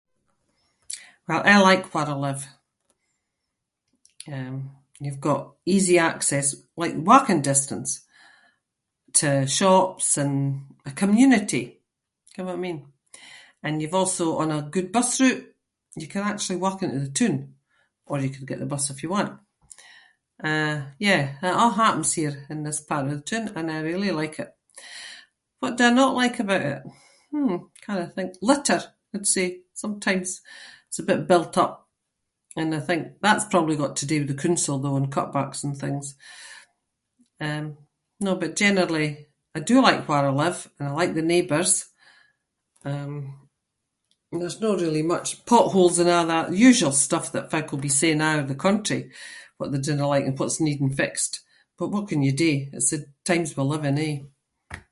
Well, I like where I live. Um, you’ve got easy access- like walking distance to shops and a community, ken what I mean? And you’ve also on a good bus route- you can actually walk into the toon, or you could get the bus if you want. Uh, yeah it all happens here in this part of the toon and I really like it. What do I not like about it? Hmm, cannae think- litter, I’d say sometimes. It’s a bit built up and I think- that’s probably got to do with the cooncil though and cut-backs and things. Um, no but generally, I do like where I live and I like the neighbours, um, and there’s no really much- pot holes and a’ that, the usual stuff that folk’ll be saying all over the country, what they dinna like and what’s needing fixed. But what can you do? It’s the times we live in, eh?